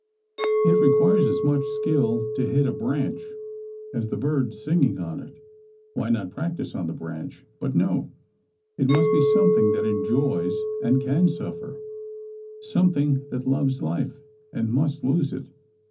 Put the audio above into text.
It requires as much skill to hit a branch, as the bird singing on it: why not practise on the branch? But no: it must be something that enjoys and can suffer; something that loves life, and must lose it.